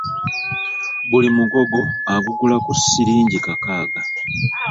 Buli mugogo agugula ku silingi kakaaga.